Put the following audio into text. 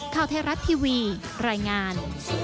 ข้าวเทรัตน์ทีวีรายงาน